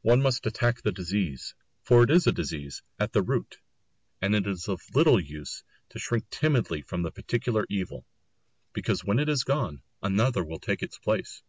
One must attack the disease, for it is a disease, at the root; and it is of little use to shrink timidly from the particular evil, because when it is gone, another will take its place.